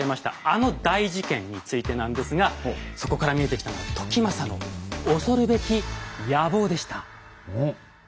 あの大事件についてなんですがそこから見えてきたのは時政の恐るべき野望でした。